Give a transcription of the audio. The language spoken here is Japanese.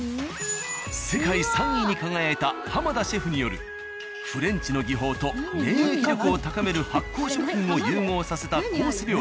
世界３位に輝いた浜田シェフによるフレンチの技法と免疫力を高める発酵食品を融合させたコース